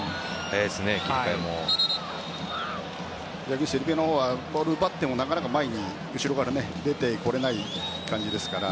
逆にセルビアのほうはボールを奪っても、なかなか前に後ろから出てこられない感じですから。